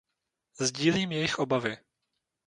Sdílím jejich obavy.